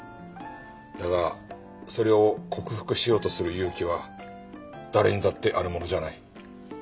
だがそれを克服しようとする勇気は誰にだってあるものじゃない。